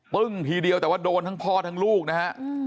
ึ้งทีเดียวแต่ว่าโดนทั้งพ่อทั้งลูกนะฮะ